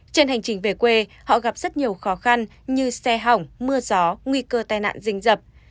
trên hành trình về quê họ gặp rất nhiều khó khăn như xe hỏng mưa gió nguy cơ tai nạn rình dập